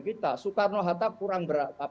kita soekarno hatta kurang